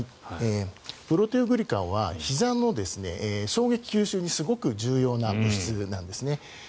プロテオグリカンはひざの衝撃吸収にすごく重要な物質なんですね。